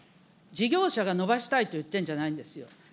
事業者が延ばしたいと言ってるんじゃないんですよ。